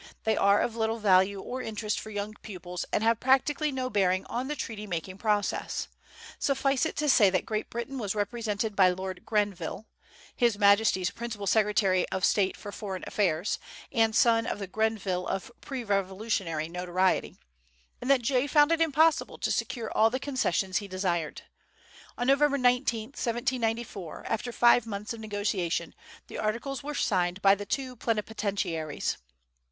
They are of little value or interest for young pupils and have practically no bearing on the treaty making process. Suffice it to say that Great Britain was represented by Lord Grenville ("His Majesty's principal Secretary of State for Foreign Affairs," and son of the Grenville of pre Revolutionary notoriety), and that Jay found it impossible to secure all the concessions he desired. On November 19, 1794, after five months of negotiation, the articles were signed by the two plenipotentiaries.